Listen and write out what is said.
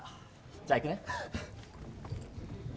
じゃあ、行くね。